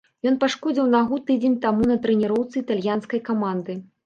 Ён пашкодзіў нагу тыдзень таму на трэніроўцы італьянскай каманды.